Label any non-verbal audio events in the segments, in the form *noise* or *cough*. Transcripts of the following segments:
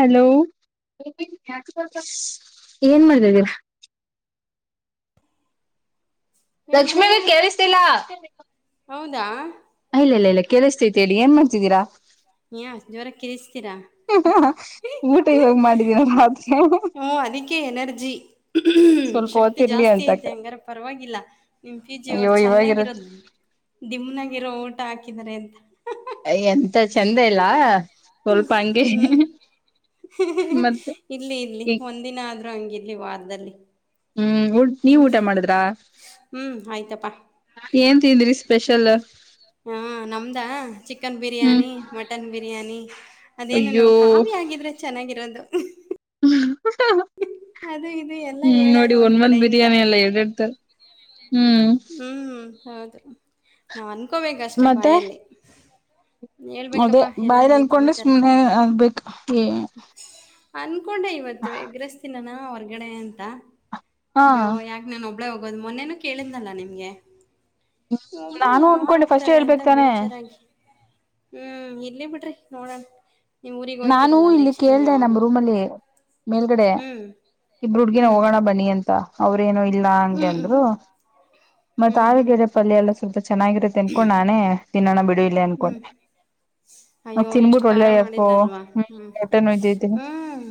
Hello ಏನ್ ಮಾಡಿದ್ದೀರಾ ಹೇಳ್ರಿ ಲಷ್ಮೀಗೆ ಕೇಳ್ಸ್ತೀಲ ಹೌದಾ ಇಲ್ಲ ಇಲ್ಲ ಕೇಳಸ್ತೈತಿ ಹೇಳಿ ಏನ್ ಮಾಡ್ತಿದ್ದೀರಾ ಐ ಜೋರಾಗಿ ಊಟ *unintelligible* ಇವಾಗ ಮಾಡಿದೀನ ರಾತ್ರಿ ಹುಂ ಅದಿಕ್ಕೆ ಎನರ್ಜಿ ಸ್ವಲ್ಪ ಶಕ್ತಿ ಹೊತ್ತಿರ್ಲಿ ಜಾಸ್ತಿ ಅಂತಕ ಐತೆ ಹಂಗಾರ ಪರವಾಗಿಲ್ಲ ನಿಮ್ಮ ಫ್ಯೂಚರ್ *unintelligible* ಅಯ್ಯೋ ಅವ್ರು ಚೆನ್ನಾಗಿರೋ ಇವಾಗಿರತ್ ದಿಮ್ನಾಗಿರೋ ಊಟ ಹಾಕಿದಿದ್ದಾರೆ ಅಂತ ಯ ಎಂತ ಚೆಂದ ಇಲ್ಲ ಸ್ವಲ್ಪ ಹಂಗೆ ಹ್ಮ್ ಮತ್ತೆ ಇಲ್ಲಿ ಇಲ್ಲಿ ಈ ಒಂದಿನ ಆದ್ರೂ ಹಂಗಿರ್ಲಿ ವಾರದಲ್ಲಿ *inaudible* ಹ್ಮ್ ನೀವ್ ಹ್ಮ್ ಊಟ ಮಾಡಿದ್ರಾ ಹ್ಮ್ ಆಯ್ತಪ್ಪಾ ಏನ್ ತಿಂದ್ರಿ ಸ್ಪೆಷಲ್ ಹಾ ನಮ್ದ ಚಿಕನ್ ಹ್ಮ್ ಬಿರಿಯಾನಿ ಮಟನ್ ಬಿರಿಯಾನಿ ಅದೇನು ಅಯ್ಯೋ ನಮ್ಮ ಕಾವಿ ಆಗಿದ್ರೆ ಚೆನ್ನಾಗಿರೋದು ಅದು ಇದು ಎಲ್ಲ ಹ್ಮ್ ಹೇಳಲ್ಲ ನೋಡಿ ಒಂದ್ ಒಂದ ಮಂತ್ ಕಡೆಯಿಂದ ಬಿರಿಯಾನಿ ಎಲ್ಲ ಎರಡ ಇಡ್ತಾರೆ ಹ್ಮ್ ಹೌದು ನಾವ್ ಅನ್ಕೋಬೇಕಷ್ಟೇ ಮತ್ತೆ ಬಾಯಲ್ಲಿ ಅದೇ ಹೇಳ್ಬೇಕಪ್ಪಾ ಎಲ್ಲ ಬಾಯ ಏನ್ ಅಲ್ಕೊಂಡ್ರೆ ಸಮಾಚಾರ ಸುಮ್ನೆ ಹ್ಮ್ ಅಲ್ಬೇಕೇ ಅನ್ಕೊಂಡೆ ಇವತ್ತು ಎಗ್ ರೈಸ್ ತಿನ್ನನ ಹೊರ್ಗಡೆ ಅಂತ ಹಾ ಅಯ್ಯೋ ಯಾಕ್ ನಾನ್ ಒಬ್ *unintelligible* ಮೊನ್ನೆನು ಕೇಳಿದ್ನಲ್ಲಾ ನಿಮ್ಗೆ ಒಬ್ಳು ನಾನು ಯಾರ ಅನ್ಕೊಂಡೆ ಫಸ್ಟ್ ಹೋಗ್ತಾರೆ ಹೇಳ್ಬೇಕ ಅಂತ ತಾನೆ ಬೇಜಾರಾಗಿ ಹ್ಮ್ ಇಲ್ಲಿ ಬಿಡ್ರಿ ನೋಡಣ ನಾನು ಇಲ್ಲಿ ಕೇಳ್ದ ನಮ್ಮ್ ರೂಮ್ ಅಲ್ಲಿ ಮೇಲ್ಗಡೆ ಹ್ಮ್ *inaudible* ಇಬ್ರು ಹುಡ್ಗನ ಹ್ಮ್ ಹೋಗೋಣ ಬನ್ನಿ ಅಂತ ಅವ್ರ ಇ ಹ್ಮ್ ಹ್ಮ್ ಮ ಹ್ಮ್ ಹ್ಮ್ *inaudible* ಚೆನ್ನಾಗಿರುತ್ತೆ ಅನ್ಕೊಂಡ್ ನಾನೇ ತಿನ್ನೋಣ ಬಿಡ ಇಿಲ್ಲ ಹ್ಮ್ ಅನ್ಕೊಂಡೆ ನ ತಿನ್ಬಿಟ್ಟು ಒಳ್ಳೆ *inaudible* ಲ್ವಾ ಹ್ಮ್ ಹ್ಮ ಹೊಟ್ಟೆ ನೋಯ್ತೈತಿ ಹ್ಮ್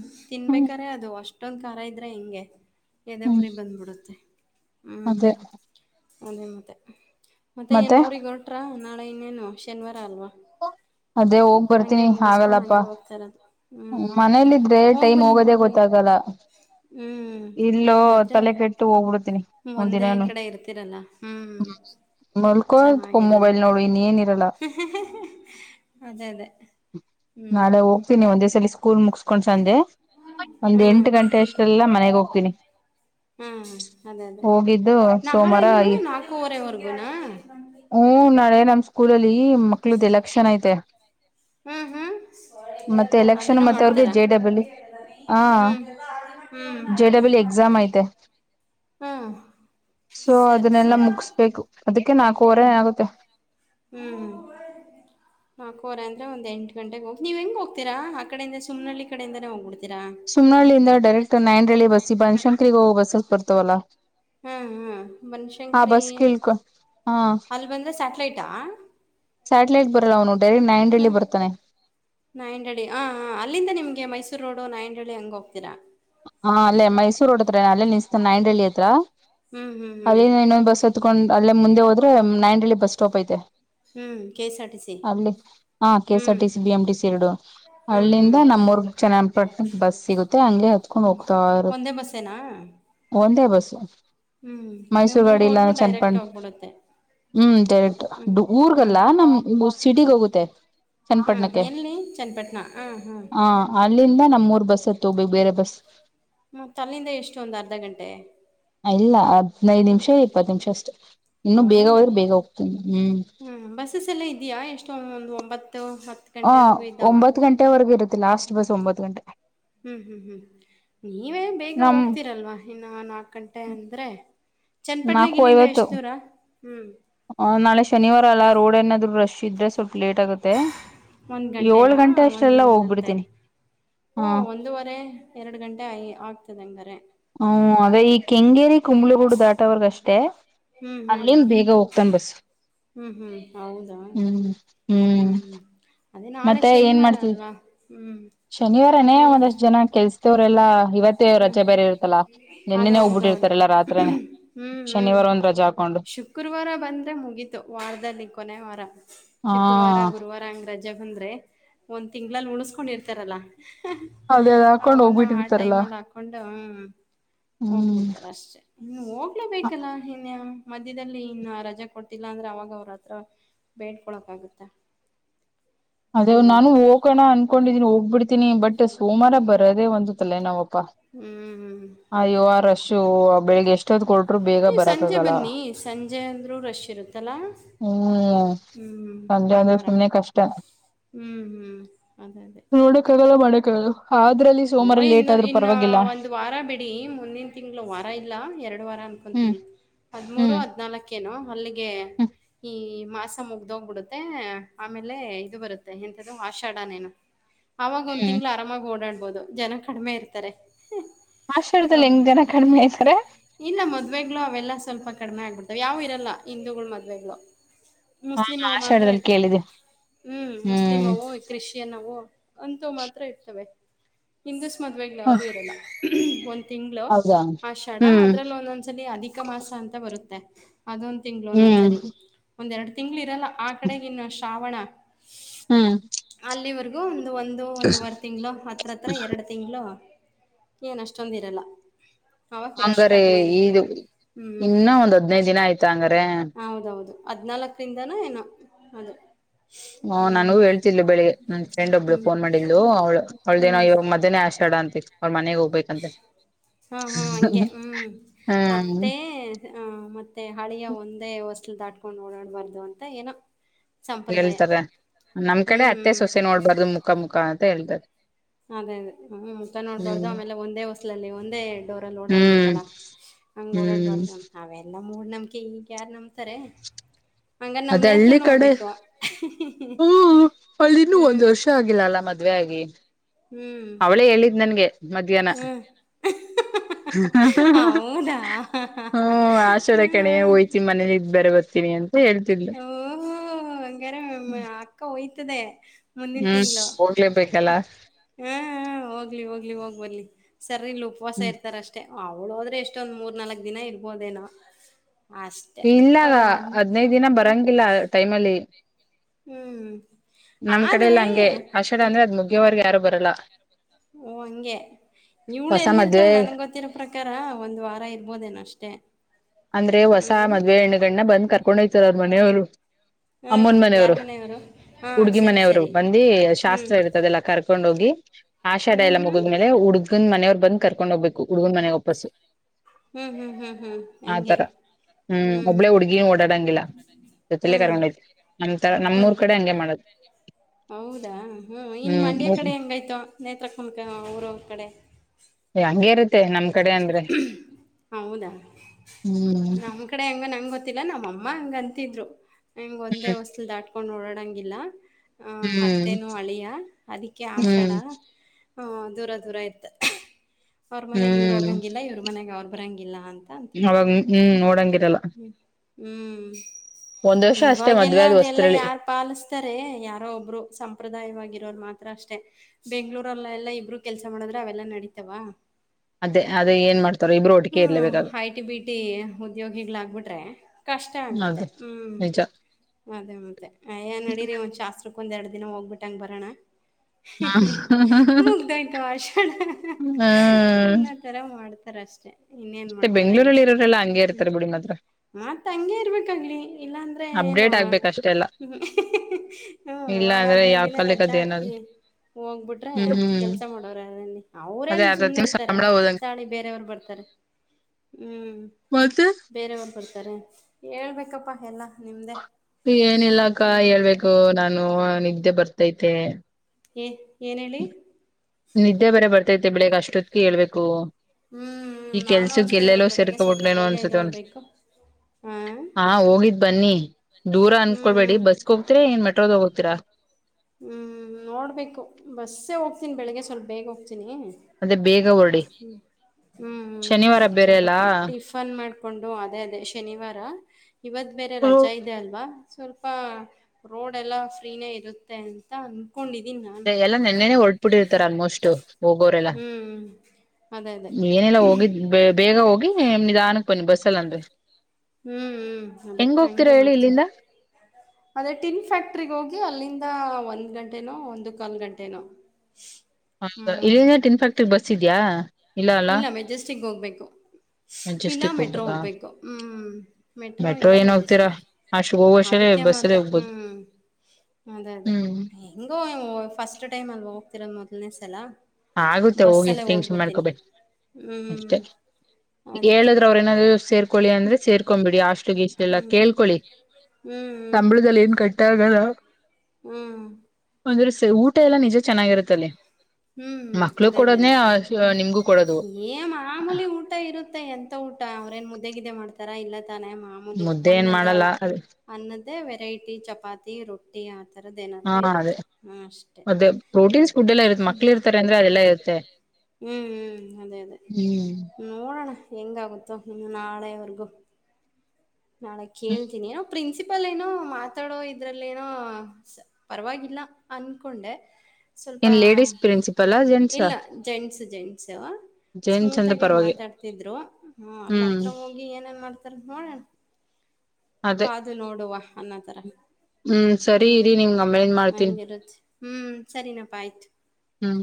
ಹ್ಮ್ ತಿನ್ಬೇಕ್ರ ಅದು ಅಷ್ಟೊಂದ ಖಾರ ಇದ್ರೆ ಹೆಂಗ ಹಗೆ ಎದೆ ಹ್ಮ್ ಊರಿಗೆ ಬಂದ್ಬಿಡುತ್ತೆ ಹ್ಮ್. ಅದೇ ಅದೇ ಮತ್ತೆ ಮತ್ತೆ ಏನು ಊರಿಗೆ ಹೊರಟ್ರ ನಾಳೆ ಇನ್ನೇನು ಶನಿವಾರ ಅಲ್ವಾ ಅದೇ ಹೋಗ್ ಬರ್ತೀನಿ ಹಂಗೆ ಮುಗಿಸ್ಕೊಂಡು ಹಾಗಲ್ಲಪ್ಪ ಹಂಗೆ ಹೋಗ್ತಾ ಇರೋದು. ಹ್ಮ್. ಮನೇಲ್ಲ ಇದ್ರೆ ಟೈಮ್ ಹೋಗ್ಬನ್ನಿ, ಹೋಗೋದೇ ಹೋಗ್ಬನ್ನಿ. ಗೊತ್ತ ಲ್ಲ ಹ್ಮ್. ಇಲ್ಲೋ ಇಲ್ಲಿದ್ರೆ ತಲೆ ಕೆಟ್ಟು ಹೋಗ್ಬಿಡ್ತೀ ಒಂದೇ ಕಡೆ ಇರ್ತರಲ್ಲ ಹ್ಮ್ ಮಲ್ಕೋ ಅತ್ಕೋ ಚೆನ್ನಾಗಿರಲ್ಲ. ಮೊಬೈಲ್ ನೋಡು ಇನ್ ಏನ್ಇರಲ್ಲ ಅದೇ ಅದೇ. ನಾಳೆ ಹ್ಮ್. ಹೋಗ್ತೀನಿ ಒಂದೇ ಸಲ ಸ್ಕೂಲ್ ಮುಗಸ್ಕೊಂಡ್ ಸಂಜೆ ಒಂದ್ ಎಂಟು ಹ್ಮ್. ಗಂಟೆ ಅಷ್ಟೆಲ್ಲ ಮನೆಗ್ ಹೋಗ್ತೀನಿ ಹಾ ಅದೇ ಅದೇ ಹೋಗಿದ್ದು ಸೋಮವಾರ ನಾಳೆನನು ನಾಲ್ಕೂವರೆವರ್ಗೂನಾ ಹ್ಮ ನಾಳೆ ನಮ ಸ್ಕೂಲಲ್ಲಿ ಮಕ್ಳದ ಎಲೆಕ್ಷನ್ ಐತೆ ಹ್ಮ್ ಹ್ಮ್ ಮತ್ತೆ ಎಲೆಕ್ಷನ್ ಅದನ್ನು ಮತ್ತೆ ಅವ್ರಿಗೆ ಮಾಡ್ತಾರ ಜೆ ಡಬ್ಲ್ಯೂ ಹ ಹ್ಮ್ ಹ್ಮ್ *inaudible* ಜೆ ಡಬ್ಲ್ಯೂ ಎಕ್ಸಾಮ್ ಅಯ್ತೆ ಹ್ಮ್ ಸೊ ಸರಿ ಅದುನ್ನೆಲ್ಲ ಸರಿ ಮುಗುಸ್ಬೇಕು ಅದಿಕೆ ನಾಲ್ಕು ಹೊರೆ ಆಗುತ್ತೆ ಹ್ಮ್ ನಾಲ್ಕುವರೇ ಅಂದ್ರೆ ಒಂದ್ ಎಂಟ ಗಂಟೆಗೆ ಹೋಗಿ ನೀನವು ಹೆಂಗ ಹೋಗ್ತೀರ ಆ ಕಡೆಯಿಂದ ಸು್ನಳ್ಳಿ ಕಡೆಯಿಂದಾನೇ ಹೋಗ್ಬಿಡ್ತೀ ಸುಮ್ಹಳ್ಳಿಯಿಂದ ಡೈರೆಕ್ಟ್ ನೈನ್ರೇಳಿ ಬಸ್ಸಿ ಬನ್ಶಂಕರಿಗೆ ಹೋಗುವ ಬಸ್ಸಸ್ ಬರ್ತವಲ್ಲ ಹ್ಮ್ ಹ್ಮ್ ಬನಶಂಕರಿ ಇಳ್ಕೊ ಅಲ್ಲಿ ಬಂದ್ರೆ ಸ್ಯಾಟ್ಲೈಟಾ ಸ್ಯಾಟಿಲೈಟ್ ಬರಲ್ಲ ಅವನು ಡೈರೆಟ್ ಹ್ಮ ನೈಂಡಲ್ಲಿ ಬರ್ತಾನೆ ನಾಯಂಡಹಳ್ಳಿ ಹ ಹ ಅಲ್ಲಿಂದ ನಿಮ್ಗೆ ಮೈಸೂರು ರೋಡು ನಾಯಂಡಹಳ್ಳಿ ಹಂಗ ಹೋಗ್ತೀರಾ ಹಾ ಅಲ್ಲ ಮೈೂರೋಡ್ತ್ರ ಅಲ್ಲೇ ನನಿಲ್ಲ್ಸತನೇ ನೈಂಡ್ಹಳ್ಳಿ ಹತ್ರ ಹ್ಮ್ ಹ್ಮ್ ಹ್ಮ್ ಅಲ್ಲಿಂದ ಇನ್ನೊಂದ್ ಬಸ್ ಹತ್ಕೊಂಡ್ ಅಲ್ಲೇ ಮುಂದೆ ಹೋದ್ರೆ ನಾಯಂಡಹಳ್ಳಿ ಬಸ್ ಸ್ಟಾಪ್ ಐತೆ ಹ್ಮ್ K S R T C ಅಲ್ಲಿ ಹ ಕೆ ಎಸ್ ಆರ್ ಹ್ಮ್ T C B M T C ಎರಡು ಹ್ಮ್ ಹಳ್ಳಂದ ಹ್ಮ್ ನಮ್ಮೂರಿಗೆ ಚೆನ್ನರಾಯ್ ಟ್ ಬಸ್ ಸಿಗುತ್ತೆ ಹಂಗೆ ಹತ್ಕೊಂಡ್ ಹೋಗ್ತಾ ಇತ್ತೆ ಒಂದೇ ಬಸ್ಸೇನಾ ಒಂದೇ ಬಸ್ ಹ್ಮ್ ನೀವ್ ಮೂರ್ವರ್ಗೂ ಡೈರೆಕ್ಟ್ ಹೋಗ್ಬಿಡುತ್ತೆ ಹ್ಮ್ ಊರ್ಗಲ್ಲಾ ನಮ್ ಸಿಟಿಗ ಹೋಗುತ್ತೆ ಹಾಂ ಚನ್ನಪಟ್ಟಣಕ್ಕೆ ಎಲ್ಲಿ ಚನ್ನಪಟ್ಟಣ ಹಾಂ ಹಾಂ ಹ ಅಲ್ಲಿಂದ ನಮಮೂೂರ್ ಬಸ್ ಎತ್ ಹೋಗ್ಬೇಕು ಬೇರೆ ಬಸ್ ಹ್ಮ ತಲ್ಲಿಂದ ಎಷ್ಟು ಒಂದು್ ಅರ್ಧ ಗಂಟೆ ಇಲ್ಲ ಹದ್ನೈದು ಹ್ಞೂ ನಿಮಿಷ ಇಪ್ಪತ್ತು ನಿಮಿಷ ಅಷ್ಟೇ *inaudible* ಹೌದಾ ಹ್ಮ್ ಬಸ್ಸಸ್ ಎಲ್ಲ ಇದ್ಯಾ ಎಷ್ಟೊ ಒಂದ ಒಂಬತ್ತು. ಹತ್ತು ಹ ಗಂಟೆವರೆಗೂ ಇದ್ದಾವ ಒಂಬತ್ ಗಂಟೆವರೆಗ ಇರುತ್ತೆ ಲಾಸ್ಟ್ ಬಸ್ ಒಂಬತ್ ಗಂಟೆ. ಹ್ಮ್ ಹ್ಮ್ ಹ್ಮ್ ನೀವೇ ಬೇಗ ನಮ್ ಹೋಗ್ತೀರಲ್ವಾ ಇನ್ನ ನಾಕ್ ಗಂಟೆ ಅಂದ್ರೆ. ಚನ್ನಪಟ್ಣ ಗಲ್ಲಿಂದ ಎಷ್ಟು ದೂರ ಹ್ಮ್. ಹ ನಾಳೆ ಶನಿವಾರ ಅಲ್ಲಾ ರೋಡ್ ಏನಾದ್ರು ರಶ್ ಇದ್ರೆ ಸ್ವಲ್ಪ ಲೇಟ್ ಆಗುತ್ತೆ. ಒಂದ್ ಏಳ್ ಗಂಟೆನಾ ಗಂಟೆ ಅಷ್ಟೆಲ್ಲ ಒಂದೂವರೆ ಗಂಟೆ. ಹೋಗ್ಬಿಡ್ತೀನಿ ಓ ಹಾ ಒಂದೂುವರೆ ಎರಡ್ ಗಂಟೆ ಆಗ್ತದ ಹಂಗಾರೆ. ಹ್ಮ ಅದೇ ಈ ಕೆಂಗೇರಿ ಕುಂಬ್ಳಗೂಡು ದಾಟೋವರ್ಗ ಅಷ್ಟೇ. ಹ್ಮ್ ಹ್ಮ್. ಅಲ್ಲಿಂದ ಬೇಗ ಹೋಗ್ತನ್ ಬಸ್ ಹ್ಮ್ ಹ್ಮ್ ಹೌದಾ ಹ್ಮ್ *unintelligible* ಅದೇ ನಾಳೆ ಮತ್ತೆ ಏನ್ ಶನಿವಾರ ಮಾಡ್ತಿವಿ ಅಲ್ವಾ ಹ್ಮ್ ಶನಿವಾರನೇ ಏ ಒಂದಷ್ಟು ಜನ ಕೆಲ್ಸ್ದೇವ್ರಲ್ಲಾ ಇವತ್ತು. ಮತ್ತೆ ಹ್ಮ್ ರಜೆ ಬೇರೆ ಇರ್ತ್ತಲ್ಲಾ ಅದು ನಿನ್ನೆನೆ ಹೌದೌದು ಹೋಗ್ಬಿಟ್ಟಿರ್ತಾರಲ್ಲ ರಾತ್ರ ಹ್ಮ್ ಹ್ಮ್ ಶನಿವಾರ ಒಂದ್ ರಜೆ ಹಾಕೊಂಡು. ಶುಕ್ರವಾರ ಬಂದರೆ ಮುಗತು ವಾರದಲ್ಲಿ ಕೊನೆಯ ವಾರ ಹಾ ಶುಕ್ರವಾರ ಗುರುವಾರ ಅಂಗ್ರಾಜ್. ಜಗಂದ್ರೆ ಒಂದ್ ತಿಂಗಳಲ್ಲಿ ಉಣಸ್ಕೊಂಡಿರ್ತಾರಲ್ಲಾ. ಅದೇ ಅದು ಹಾಕೊಂಡ್ ಹೋಗ್ಬಿಟ್ಟಿರ್ತಾರಲ್ಲ. ಹ್ಮ ಹ್ಮ್ ಹೋಗ್ಬಿಡ್ತಾರ ಅಷ್ಟೇ ಇನ್ನು ಹೋಗ್ಲೇಬೇಕಲ್ಲ ಇ. ಮಧ್ಯದಲ್ಲಿ ಇನ್ನ ರಜಾ ಕೊಡ್ತಿಲ್ಲಾ ಅಂದ್ರೆ ಅವಾಗ ಅವ್ರ ಹತ್ರ. ಬೇಡ್ಕೊಳಕ ಆಗುತ್ತ. ಅದೇ ನಾನು ಹೋಗೋಣ ಅನ್ಕೊಂಡಿದೀನಿ ಹೋಗ್ಬಿಡ್ತೀನಿ ಬಟ್. ಸೋಮಾರ ಬರೋದೇ ಒಂದ ತಲೆ ನಾವಪ್ಪಾ. ಹ್ಮ್ ಆ ಅದೇ ಇವ ಅದೇ ಆರ್ರಸ್ಸು ಬೆಳಿಗ್ಗೆ ಎಷ್ಟೊದ್ ಕೊಟರು ಬೇಗ ಬರಕ್ಕಾಗಲ್ಲ. ವಿಜಯಂದರು ರಶ್ ಇರುತ್ತಲ್ಲಾ. ಹ್ಮ್ ಸಂಜ ಆದ್ರೂ ಭಾನುವಾರ ಸುಮ್ಮ್ನೆ ಕಷ್ಟ. ಹ್ಮ್ ಹ್ಮ್ ಅದೇ ಅದೇ ಲ್ಲ ಮಾಡ ಕೇಳು ಓ ಇಂದು ಇನ್ನ ಒಂದ್ ವಾರ ಬಿಡಿ ಮುಂದಿನ ತಿಂಗಳು ವಾರ ಇಲ್ಲ ಎರಡು ಎಡು ವಾರ ಹ್ಮ್ ಅನ್ಕೊತನಿ ಹದ್ಮೂರು ಹ್ಮ್ ಹದ್ನಲ್ಕೇನು ಅಲ್ಲಿಗೆ ಹ್ಮ್ ಈ ಮಾಸ ಮುಗ್ದೋಗ್ಬಿಡುತ್ತೆ ಆಮೇಲೆ ಇದು ಬರುತ್ತೆ ಎಂತ್ದು ಆಷಾಢನೇನು ಅವಾಗ ಒಂದ್ ಹ್ಮ್ ತಿಂಗ್ಳ ಆರಾಮಾಗಿ ಓಡಾಡ್ಬೋದು ಜನ ಕಡಿಮೆ ಇರ್ತಾರೆ ಆಶ್ರದಲ್ಲಿ ಹೆಂಗ ಜನ ಕಡಿಮೆ ಆಐ್ತಾರೆ ಅವೆಲ್ಲಾ ಸ್ವಲ್ಪ ಕಡಿಮೆ ಆಗ್ಬಿಡ್ತವೆ ಯಾವವು ಇರಲ್ಲ ಹಿಂದೂಗಳು ಮದ್ವೆಗಳು. ಹಾ ಮುಸ್ಲಿಮವು ಮಾತ್ರ ಆಷಾಢದಲ್ಲಿ ಇರ್ತವೆ ಕೇಳಿದೆ ಹ್ಮ್ ಮುಸ್ಲಿಮವು ಕ್ರಿಶ್ಚಿಯನ್ವು. ಅಂತ ಮಾತ್ರ ಇರ್ತವೆ. ಹಿಂದೂಸ್ ಮದುವೆಗಳು ಯಾವುದೂ ಇರೋಲ್ಲ ಒ ತಿಂಗಳು ಹೌದಾ ಆಷಡ ಹ್ಮ್ ಅದ್ರಲ್ಲ ಒಂದೊಂದ್ಸಲಿ ಅಧಿಕ ಮಾಸ ಅಂತ ಬರುತ್ತೆ. ಅದೊಂದ್ ತಿಂಗಳು ಹ್ಮ್ ಒನ್ನೊಂದ್ಸರಿ ಒಂದ್ ಎರಡು ತಿಂಗ್ಗಳು ಇರಲ್ಲ ಆ ಕಡೆಗ ಇನ್ನು ಶ್ರಾವಣ. ಹ್ಮ್ ಅಲ್ಲಿವರೆಗೂ ಒಂದು ಒಂದು ಒಂದವರೆ ತಿಂಗಳು ಹತ್ರ ಹತ್ರ ಎರಡು ತಿಂಗಳು. ಹ ಏನ ಅಷ್ಟೊಂದ ಇರಲ್ಲ. ಆವಾಗ ರಶ್ ಹಂಗಾರ ಕಡಿಮೆ ಇರುತ್ತೆ ಇದು ಹ್ಞೂ ಇನ್ನೂ ಒಂದ್ ಹದ್ನೈದು ದಿನ ಆಯ್ತಾ ಹಂಗಾರ. ಹದ್ನಾಲ್ಕರಿಂದಾನ ಏನ ಅದು. ಹ ಹ್ಞೂ ನಾನು ಹೇಳ್ತಿದ್ಲು ಬೆಳಿಗ್ ನನ್ ಫ್ರೆಂಡ್ ಹ್ಞೂ ಒಬ್ಳ ಫೋನ್ ಮಾಡ್ಲು ಅವಳು ಹ್ಞೂ ಅವಳ್ದೇನ ಇವಾಗ. ಆಷಡ ಅ ಹೋಗಬೇಕಂತ್ರೆ ಹಾ ಹಾ ಅಗೆ ಹ್ಮ್ ಹ್ಮ್ ಅತ್ತೆ ಅ ಮತ್ತೆ ಹಳಿಯ ಒಂದೇ ಹೊಸ್ಲ್ ದಾಟ್. ಹಕೊಂಡ್ ಓಡಾಡ್ಬಾರ್ದು ಅಂತ ಏನೋ. ಸಂಪ್ರದಾಯ ಹೇಳ್ತಾರೆ ನಮ್ ಹ್ಞೂ ಕಡೆ ಅತ್ತೆ ಹ್ಞೂ ಸೊಸೆ ನೋಡ್ಬಾರ್ದು ಮುಖ ಮುಖ ಅಂತ ಹೇಳ್ತಾರೆ. ಅದೇ ಅದೇ ಹ್ಮ ತ ನೋಡ್ಬಾರ್ದು ಹ್ಮ್ ಆಮೇಲೆ ಒಂದೇ ಹೊಸ್ಲಲ್ಲಿ ಒಂದೇ ಡೋರಲ್ಲಿ ಹ್ಮ್ ಓಡಾಡ್ಬೇಕಲ್ಲ. ಹಂಗ್ ಹ್ಮ್ ಓಡಾಡ್ಬಾರ್ದ ಅವೆಲ್ಲ ಮೂಡ್ ನಮ್ಕೆ ಈಗ ಯಾರ್ ನಂಬತಾರೆ. ಹಂಗ ನಮ್ ಅದೇ ಹಳ್ಳಿ ನೇತ್ರನ ಕಡೆ ಹೋಗ್ಬೇಕು. ಹ್ಮ್ ಅಳ್ಳಿನ್ನು ಒಂದ್ ಹ್ಮ್ ವರ್ಷ ಆಗಿಲ್ಲ ಅಲ್ಲ ಮದ್ವೆ ಆಗಿ ಹ್ಮ್ ಅವಳೇ ಹೇಳಿದ್ ನನ್ಗೆ ಮಧ್ಯಾಹ್ನ ಹ್ಮ್ ಹೌದಾ ಹ್ಮ ಆಷಾಡ ಹ್ಮ ಕಣೆ ಹೋಯ್ತಿನಿ ಮನೇಲಿ ಇದ ಬರವಂತ್ ತಿ ಅಂತ ಹೇಳ್ತಿದ್ಲು ಓ ಅಂಗರೇ ಅಕ್ಕ ಹೋಯ್ತದೆ ಮುಂದಿನ್ ಹ್ಮ್ ತಿಂಗಳು ಹೋಗ್ಲೇಬೇಕಲ್ಲ ಹ್ಮ್ ಹ್ಮ್ ಹೋಗ್ಲಿ ಹೋಗ್ಲಿ ಹೋಗ್ ಬರ್ಲಿ. ಸರ್ ಇಲ್ಲಿ ಉಪವಾಸ ಹ್ಮ್ ಇರ್ತಾರೆ ಅಷ್ಟೇ. ಅವ್ಳು ಹೋದ್ರೆ ಎಷ್ಟೊಂದ್ ಮೂರ್ ನಾಲ್ಕ್ ದಿನ ಇರ್ಬೋದೇನೊ. ಇಲ್ಲ ಹದ್ನೈದ ದಿನ ಹ್ಮ್ ಬರಂಗಿಲ್ಲ ಟೈಮಲ್ಲಿ ಹ್ಮ್ ನಮ್ ಕಡೆ ಎಲ್ಲ ಆದ್ರೆ ಹಂಗೆ ಆಷಾಡ ಅಂದ್ರೆ ಅದ್ ಮುಗಿಯವರ್ಗೆ ಯಾರು ಬರಲ್ಲ ಓ ಹಂಗೆ ಇವ್ಳು ಹೊಸ ಎಲ್ಲಿ ಇರ್ತಾಳ ಮದ್ವೆ ನನ್ಗೆ ಗೊತ್ತಿರೋ ಪ್ರಕಾರ ಒಂದ್ ವಾರ ಇರ್ಬೋದೇನೊ ಅಷ್ಟೇ. ಅಂದ್ರೆ ಹೊಸ ಹ್ಮ್ ಮದ್ವೆ ಹೆಣ್ಣುಗಂಡನ ಬಂದ್ ಕರ್ಕೊಂಡ ಹಯ್ತಾರೆ ಅವ್ರು ಮನೆಯವ್ರು ಹ್ಮ್ ಯಾರ್ ಮನೆಯವರು ಹಾ ಹುಡುಗಿ ಸರಿ ಮನೆಯವರು ಸರಿ ಬಂದಿ ಹ್ಮ್ ಶಾಸ್ತ್ರ ಇರ್ತದೆಲ್ಲ ಕರ್ಕೊಂಡ ಹೋಗಿ ಆಷಾಡ ಹ್ಮ್ ಹ್ಮ್ ಎಲ್ಲ ಮುಗಿದ್ಮೇಲೆ ಹ್ಮ್ ಹುಡ್ಗನ್ ಮನೆಯವ್ ಬಂದ್ ಕರ್ಕೊಂಡ್ ಹೋಗ್ಬೇಕು ಹುಡ್ಗನ್ ಮನೆಗ್ ಒಪ್ಪಸು ಹ್ಮ್ ಹ್ಮ್ ಹ್ಮ್ ಹ್ಮ್ ಹಂಗೆ ಹ್ಮ್ ಒಬ್ಬಳೇ ಹುಡುಗಿ ಓಡಾಡಂಗಿಲ್ಲ ಜೊತೆಯಲ್ಲೇ ಹ್ಮ್ ಕರ್ಕೊಂಡು ಹೋಗಿ ನಮ್ ತ ಹ್ಮ್ ನಮ್ಮೂರ್ ಹ್ಮ್ ಕಡೆ ಹಂಗೆ ಮಾಡದು ಹೌದಾ ಹ್ಮ ಇನ್ ಮಂಡ್ಯ ಕಡೆ ಹೆಂಗಾಯ್ತು ನೇತ್ರಕ್ಕಮ ಊರವ್ರ ಕಡೆ. ಎ ಹಂಗೆ ಇರುತ್ತೆ ನಮ ಕಡೆ ಅಂದ್ರೆ. ಹ್ಮ್ ನಮ್ ಕಡೆ ಹೆಂಗನ್ ನಂಗ್ ಗೊತ್ತಿಲ್ಲ ನಮ್ಮ ಅಮ್ಮ ಹಂಗಂತಿದ್ರು. ಹ್ಮ್ ಒಂದೇ ಹೊಸ್ತಿಲ್ ದಾಟ್ಕೊಂಡ್ ಓಡಾಡಂಗಿಲ್ಲ ಹ ಹ್ಮ್ ಅತ್ತೇನು ಅಳಿಯ ಅದಿಕ್ಕೆ ಆಷಾಢ ಹ್ಮ್ ಹ್ಮ್ ದೂರ ದೂರ ಇತ್ತು ಅವ್ರ ಮನೆಗೆ ಇವ್ರು ಹೋಗ ಹ್ಮ್ ಹೋಗಗಿಲ್ಲ ಇವ್ರ ಮನ್ಯಾಗ ಅವರು ಬರಂಗಿಲ್ಲ ಅಂತ *inaudible* ಅಂತಿದ್ರು್ಮ ಅವಾಗ ಹ್ಮ್ ಹ್ಮ್ ಒಂದು ಇವಾಗೆಲ್ಲ ಅದೆಲ್ಲಾ ಯಾರ್ ಪಾಲಿಸ್ತಾರೆ. ಯಾರೋ ಒಬ್ರು ಸಂಪ್ರದಾಯವಾಗಿರೋರು ಮಾತ್ರ *unintelligible* ಅಷ್ಟೆ ಬೆಂಗ್ಗಳೂರ್ಲ್ಲ ಎಲ್ಲಾ ಇಬ್ರು ಕೆಲ್ಸ ಮಾಡದ್ರೆ ಅವೆಲ್ಲಾ ನಡೀತಾವ ಅದೇ ಅದೇ ನ್ ಮಾಡ್ತಾರಾರೆ ಇಬ್ಬರು ಒಟ್ಟಿಗೆ ಹ್ಞ ಇರ್ಲೇಬೇಕಾಗ ಐ ಟಿ ಬಿ ಟಿ ಉದ್ಯೋಗಿಗಳಾಗ್ಬಿಟ್ರೆ ಕಷ್ಟ ಆಗುತ್ತೆ ಅದೇ ನಿಜ ಹ್ಞ ಅದೇ ಮತ್ತೆ ಅಯ್ಯ ನಡಿರಿ ಒಂದ್ ಶಾಸ್ತ್ರಕ್ ಒಂದ್ ಎರಡ್ ದಿನ ಹೋಗ್ಬಿಟ್ಟಂಗ ಬರೋಣ ಹ ಹ್ಮ್ ಹ್ಮ್ ಮುಗ್ದಯ್ತು ಆಷಾಢ ಹ್ಮ ಅನ್ನೋ ತರ ಮಾಡ್ತ. ತ ಇನ್ನೇನ್ ಮತ್ತೆ ಮಾಡ್ತಾರ ಅಲ್ಲಿ ಬೆಂಗ್ಗಳೂರಲ್ಲಿ ಇರೋರೆಲ್ಲಾ ಹಂಗೆ ಇರ್ತಾರೆ ಬಿಡಿ ಮಾತ್ರ ಮತ್ ಹಂಗಗೆ ಇರ್ಬೇಕಾಗ್ಲಿ. ಇಲ್ಲಾಂದ್ರೆ ಏನು ಅಪ್ಡೇಟ್ ಆಗ್ಬೇಕ ಅಷ್ಟೆ ಎಲ್ಲ ಹ್ಮ ಇಲ್ಲ ವಾರ ಅಂದ್ರೆ ಹದ್ನೈದ ಯಾವ ದಿನ ಕಾಲಕ್ ರಜಾ ಅದ ಹಾಕಿ ಏನಾದ್ರು ಹೋಗ್ಬಿಟ್ರೆ ಹ್ಮ್ ಕೆಲ್ಸ ಮಾಡೋರಯಾರಲ್ಲಿ ಅದೇ ಅವ್ರೇನ್ ಅರ್ಧ ಸುಮನೆ ತಿಂಗ್ಳ ಇರ್ತಾರೆ ರೆ ಸಂಬಳ ಹೋದಂಗ ನಾಳಿ ಬೇರೆಯವರ ಬರ್ತಾರೆ. ಹ್ಮ್ ಮತ್ತೆ ಬೇರೆ ಬರತಾರೆ. ಹೇಳಬೇಕಪ್ಪಾ ಎಲ್ಲಾ ನಿಮ್ದೆ ಏನಿಲ್ಲ ಅಕ್ಕ ಹ್ಮ್ ಹೇಳಬೇಕು ನಾನು ನಿದ್ದೆ ಬರ್ತೈತೆ. ಏ ಏನ ಹೇಳಿ ನಿದ್ದೆ ಬೇರೆ ಬರ್ತೈತೆ ಬೆಳಿಗ್ ಅಷ್ಟೊತ್ಕೇಳ್ಬೇಕು. ಹ್ಮ್ ನಾನು ಅಷ್ಟೇ ಬೆಳಿಗ್ಗೆ ಸ್ವಲ್ಪ ಸೇರ್ಕೊಬಿಟ್ಲೇನೋ ಬೇಗ ಅನ್ಸುತ್ತೆ ಒನ್ಸ ಎದ್ದೇಳ್ಬೇಕು ಹಾ ಹೋಗಿದ್ ಬನ್ನಿ ದೂರ ಹ್ಮ್ ಅನ್ಕೊಳ್ಬೇಡಿ ಹ್ಮ್ ಬಸ್ಗ ಹೋಗ್ತೀರಾ ಏನ್ ಮೆಟ್ರೋದಾಗ ಹೋಗ್ತೀರಾ. ಹ್ಮ್ ನೋಡ್ಬೇಕು ಬಸ್ಸೇ ಹೋಗ್ತೀನಿ ಬೆಳಿಗ್ಗೆ ಸ್ವಲ್ಪ ಬೇಗ ಹೋಗ್ತೀನಿ. ಅದೇ ಬೇಗ ಹೊರ್ಡಿ ಹ ಹ್ಮ್ ಶನಿವಾರ ಬೇರೆ ಸ್ವಲ್ಪ ಅಲ್ಲಾ ಟಿಫನ್ ಮಾಡ್ ಕೊಂಡು ಅದೇ ಅದೇ ಶನಿವಾರ ಇವತ್ ಬೇರೆ ರಜಾ ಇದೆ ಅಲ್ವಾ ಸ್ವಲ್ಪ ರೋಡ್ ಎಲ್ಲ ಫ್ರೀನೇ ಇರುತ್ತೆ ಅಂತ ಅ ಎಲ್ಲಾ ನೆನ್ನೆ ಹೊರ್ಟಬಿಟ್ಟಿರ್ತಾರ ಆಲ್ಮೋಸ್ಟ್ ಹೋಗೋರೆಲ್ಲ ಹ್ಮ್ ಅದೇ ಅದೇ ಏನೆಲ್ಲ ಹೋಗಿದ ಬೇಗ ಹೋಗಿ ಹ್ಮ್ ನಿಧಾನಕ ಬನ್ನಿ ಬಸ್ಸಲ್ಲ ಆದ್ರೆ ಹ್ಮ್ ಹ್ಮ್ ಅದೇ ಹಂಗೆ ಹೇಳಿ ಮಾಡ್ತೀ ಇಲ್ಲಿಂದ ಅದೇ ಟಿನಫ್ಯಾಕ್ಟರಿ ಗೆ ಹೋಗಿ ಅಲ್ಲಿಂದ ಒಂದ್ ಗಂಟೆನೋ ಒಂದು ಕಾಲ್ ಗಂಟೆನೋ ಹೌದ ಹ್ಮ್ ಇಲ್ಲಿ ಟಿನಫ್ಯಾಕ್ಟರಿ ಬಸ್ ಇದ್ಯಾಾ ಇಲ್ಲ ಮೆಜೆಸ್ಟಿಕ ಹೋಗ್ಬೇಕು ಇಲ್ಲ ಮೆಜೆಸ್ಟಿಕ್ ಮೆಟ್ರೋ ಹೋಗ್ಬೋದಾ ಹೋಗ್ಬೇಕು ಹ್ಮ್ ಮೆಟ್ರೋ ಇಲ್ಲ ಏನ್ ಹೋಗ್ತೀರಾ ಮೆಜೆಸ್ಟಿಕ್ ಅಷ್ಟು ಅ ಹೋಗುವಷ್ಟೇ ಅ ಬಸ್ಸಲ್ಲೇ ಮತ್ತೆ ಹೋಗ್ಬೋದು ಹ್ಮ್ ಅದೇ ಅದೇ ಹ್ಮ್ ಹೆಂಗೋ ಫಸ್ಟ್ ಟೈಮ್ ಅ ರ ಮೊದಲನೇ ಸಲ ಹ ಆಗುತ್ತೆ ಹೋಗಿ ಬಸ್ಸಲ್ಲೇ ಟೆಂಗಷನ ಹೋಗ್ಬರ್ತೀನಿ ಮಾಡ್ಕೊಬೇಡಿ ಹ್ಮ್ ಅಷ್ಟೆ ಅದಕ್ಕೆ ಹೇಳದ್ರ ಅವ್ರಏನಾದ್ರು ಸೇರ್ಕೊಳ್ಳಿ ಅಂದ್ರೆ ಸೇರ್ಕೊಂಬಿಡಿ ಆ ಎಲ್ಲ ಹ್ಮ್ ಕೇಳ್ಕೊಳ್ಳಿ ಹ್ಮ್ ಸಂಬಳದಲ್ಲಿ ಏನ್ ಕಟ್ಟ ಆಗಲ್ಲ ಹ್ಮ್ ಒಂದ್ರೆ ಊಟ ಎಲ್ಲಾ ನಿಜ ಚೆನ್ನಾಗಿರುತ್ತಲ್ಲಿ ಹ್ಮ್ ಮಕ್ಳು ಅದೇ ಅದೇ ಅದೇ ಕೊಡೋದ್ನೇ ನಿಮ್ಗೂ ಕೊಡೋದು ಹ್ಮ ಏ ಮಾಮೂಲಿ ಊಟ ಇರುತ್ತ ಎಂತ ಊಟ ಅವ್ರೇನ್ ಮುದ್ದೆಗಿದ್ದೇ ಮಾಡ್ತಾರಾ ಇಲ್ಲ ಾನೆ ಮಾಮೂಲಿ ಮುದ್ದೆ ಏನ್ ಅನ್ನದ ಮಾಡಲ್ಲ ಅದೇ ಅನ್ನದೇ ವೆರೈಟಿ ಚಪಾತಿ ರೊಟ್ಟಿ ಆ ಥರದ್ದ ಹಾ ಏನಾದರೂ ಅದೇ ಇರುತ್ತೆ ಅಷ್ಟೇ ಅದೇ ಪ್ರೋಟೀನ್ಸ್ ಫುಡ್ ಎಲ್ಲ ಹ್ಞ ಮಕ್ಳ ಇರ್ತಾರೆ ಅಂದ್ರೆ ಅದೆಲ್ಲಾ ಇರುತ್ತೆ ಹ್ಮ್ ಹ್ಮ್ ಅದೇ ಅದೇ ಹ್ಮ್ ನೋಡೋಣ ಹೆಂಗಾಗುತ್ತೋ ಇನ್ನು ನಾಳೆವರೆಗೂ ನಾಳೆ ಕೇಳ್ತಿನಿ ಪ್ರಿನ್ಸಿಪಲ್ ಪಲ್ ಏನೋ ಮಾತಾಡೋ ಇದ್ರಲ್ಲಿ ಏನೋ ಪರವಾಗಿಲ್ಲ ಅನ್ಕೊಂಡೆ ಸ್ವಲ್ಪ ಏನ್ ಲೇಡಿಸಸ್ ಪ್ರಿನ್ಸಿಪಲ್ ಆ ಇಲ್ಲ ಜೆಂಟ್ಸ್ ಜೆಂಟ್ಸ್ ಜೆಂಟ್ಸ್ ಸ್ಮೂತ್ ಅಂದ್ರೆ ಆಗೇ ಪರವಾಗಿ ಮಾತಾಡ್ತಿದ್ರು ಹ ಅಲ್ಲ ಹ್ಮ್ ಹತ್ರ ಹೋಗಿ ಏನೇನ್ ಮಾಡ್ತಾರ ನೋಡೋಣ ಅದೇ ಕಾದು ನೋಡುವ ಅನ್ನತರ ಹ್ಮ್ ಸರಿ ಹ್ಮ್ ಇರಿ ನಿಮ್ಗೆ ಆಮೇಲ್ ಮಾಡ್ತೀನಿ ಹಂಗಿರುತ್ತ ಹ್ಮ್ ಸರಿನಪ್ಪಾ ಆಯ್ತು ಹ್ಮ್